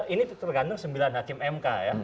ini tergantung sembilan hakim mk ya